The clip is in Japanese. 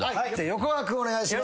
横川君お願いします。